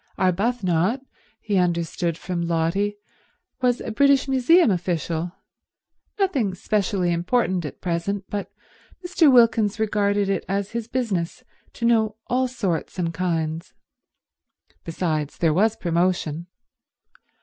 Arbuthnot, he understood from Lotty, was a British Museum official—nothing specially important at present, but Mr. Wilkins regarded it as his business to know all sorts and kinds. Besides, there was promotion.